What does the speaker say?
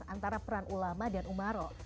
antara peran ulama dan umaro